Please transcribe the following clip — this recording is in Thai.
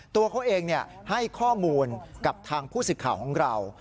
ตัวเขาเองให้ข้อมูลกับทางผู้สิทธิ์ข่าวของเรา